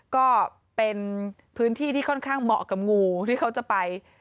ก็เป็นพื้นที่ที่ค่อนข้างเหมาะกับงูที่เขาจะไป